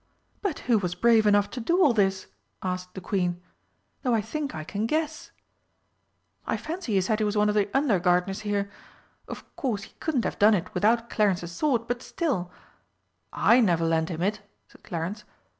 "But who was brave enough to do all this?" asked the Queen. "Though I think I can guess!" "I fancy he said he was one of the under gardeners here. Of course he couldn't have done it without Clarence's sword, but still " "I never lent him it," said Clarence.